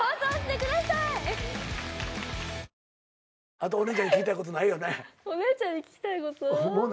あとお姉ちゃんに聞きたいことないよね？